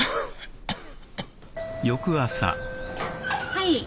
はい。